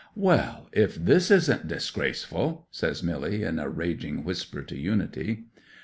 '"Well, if this isn't disgraceful!" says Milly in a raging whisper to Unity.